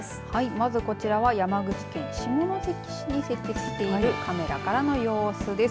まずこちらは山口県下関市に設置しているカメラからの様子です。